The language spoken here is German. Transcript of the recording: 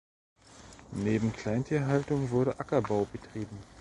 Neben Kleintierhaltung wurde Ackerbau betrieben.